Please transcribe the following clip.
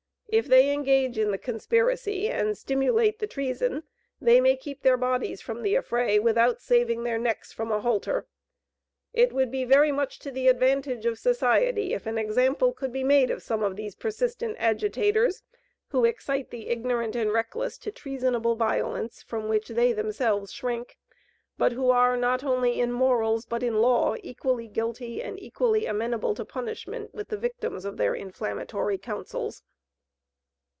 If they engage in the conspiracy and stimulate the treason, they may keep their bodies from the affray without saving their necks from a halter. It would be very much to the advantage of society, if an example could be made of some of these persistent agitators, who excite the ignorant and reckless to treasonable violence, from which they themselves shrink, but who are, not only in morals, but in law, equally guilty and equally amenable to punishment with the victims of their inflammatory counsels."